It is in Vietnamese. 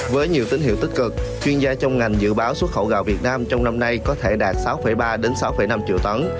với nhiều tín hiệu tích cực chuyên gia trong ngành dự báo xuất khẩu gạo việt nam trong năm nay có thể đạt sáu ba sáu năm triệu tấn